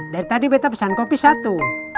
dari tadi beta pesan kopi satu